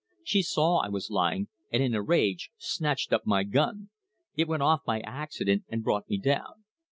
She saw I was lying, and in a rage snatched up my gun. It went off by accident, and brought me down.